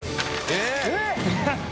えっ！